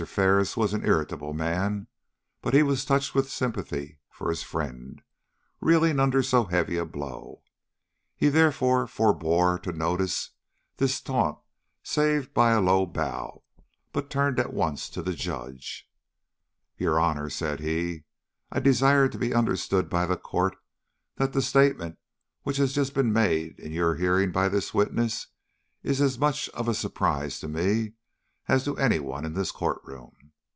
Ferris was an irritable man, but he was touched with sympathy for his friend, reeling under so heavy a blow. He therefore forbore to notice this taunt save by a low bow, but turned at once to the Judge. "Your Honor," said he, "I desire to be understood by the Court, that the statement which has just been made in your hearing by this witness, is as much of a surprise to me as to any one in this court room.